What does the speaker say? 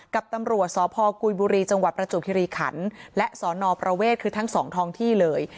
กับตำรวจสพกุยบุรีจังหวัดประจวบคิริขันและสนประเวทคือทั้งสองท้องที่เลย